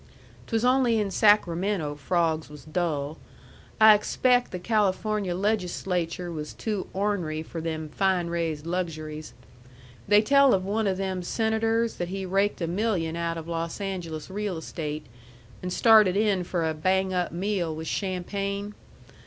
'Twas only in Sacramento frawgs was dull. I expaict the California legislature was too or'n'ry for them fine raised luxuries. They tell of one of them senators that he raked a million out of Los Angeles real estate, and started in for a bang up meal with champagne.